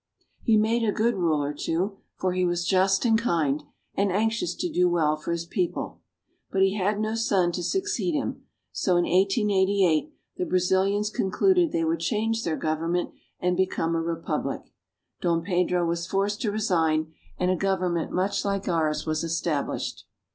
He made a good ruler, too, for he was just and kind, and anxious to do well for his people. But he had no son to succeed him, so in 1888 the Brazilians concluded they would change their government and become a republic. Dom Pedro was forced to resign, and a government much like ours was established.